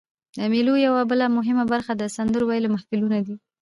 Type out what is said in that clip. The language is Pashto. د مېلو یوه بله مهمه برخه د سندرو ویلو محفلونه دي.